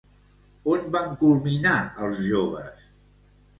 On van culminar els joves?